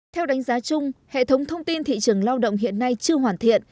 theo đánh giá chung hệ thống thông tin thị trường lao động hiện nay chưa hoàn thiện